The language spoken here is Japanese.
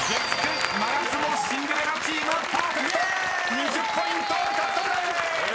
［２０ポイント獲得です！］